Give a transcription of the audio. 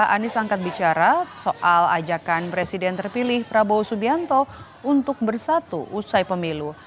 anies angkat bicara soal ajakan presiden terpilih prabowo subianto untuk bersatu usai pemilu